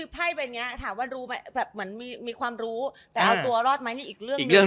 แต่เอาตัวรอดรวมไหมนี่อีกเรื่องอีก